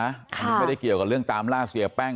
อันนี้ไม่ได้เกี่ยวกับเรื่องตามล่าเสียแป้ง